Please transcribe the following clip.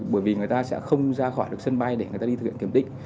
bởi vì người ta sẽ không ra khỏi được sân bay để người ta đi thực hiện kiểm định